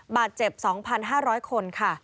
บาดเจ็บ๒๕๐๐คนค่ะ